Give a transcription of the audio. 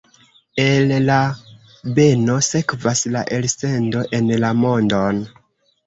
El la beno sekvas la elsendo en la mondon.